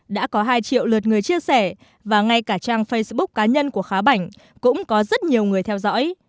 đã có hai triệu lượt người chia sẻ và ngay cả trang facebook cá nhân của khá bảnh cũng có rất nhiều người theo dõi